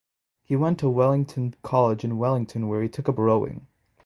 He went to Wellington College in Wellington where he took up rowing.